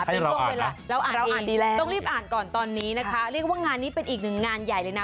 เป็นช่วงเวลาเราอ่านเราอ่านดีแล้วต้องรีบอ่านก่อนตอนนี้นะคะเรียกว่างานนี้เป็นอีกหนึ่งงานใหญ่เลยนะ